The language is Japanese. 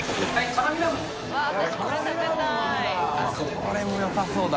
これもよさそうだ。